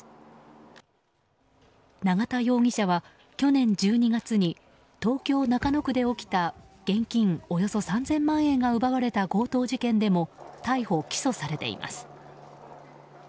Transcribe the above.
永田容疑者は、去年１２月に東京・中野区で起きた現金およそ３０００万円が奪われた強盗事件でも逮捕・起訴されています。